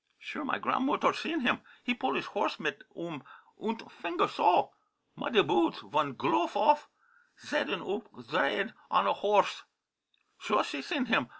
Sure my granmutter seen him. He pull his nose mit t'um unt finger, so! Muddy boods, vun glofe off, seddin' oop sdraighd on a horse. Sure, she seen him.